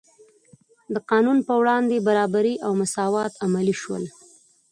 د قانون په وړاندې برابري او مساوات عملي شول.